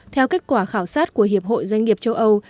theo kết quả khảo sát của hiệp hội doanh nghiệp châu âu